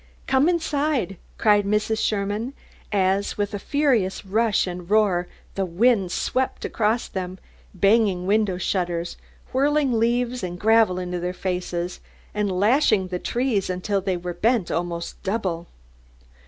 "Come inside!" cried Mrs. Sherman, as, with a furious rush and roar the wind swept across them, banging window shutters, whirling leaves and gravel in their faces, and lashing the trees until they were bent almost double.